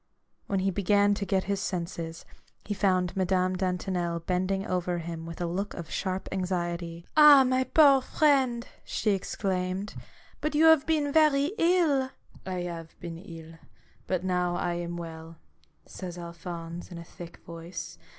When he began to get his senses, he found Madame Dantonel bending over him with a look of sharp anxiety. " Ah, my poor friend !" she exclaimed, " but you have been very ill !"" I have been ill, but now I am well," says Alphonse, in a thick voice.